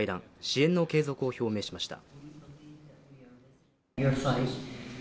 支援の継続を表明しました。